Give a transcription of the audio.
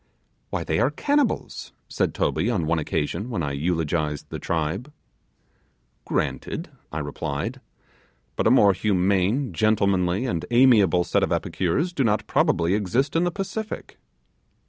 'Why, they are cannibals!' said Toby on one occasion when I eulogized the tribe. 'Granted,' I replied, 'but a more humane, gentlemanly and amiable set of epicures do not probably exist in the Pacific.